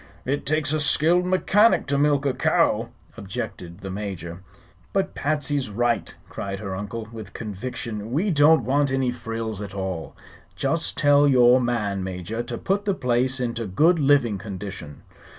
"It takes a skilled mechanic to milk a cow," objected the Major. "But Patsy's right!" cried her uncle, with conviction. "We don't want any frills at all. Just tell your man, Major, to put the place into good living condition."